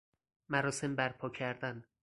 مراسم بر پا کردن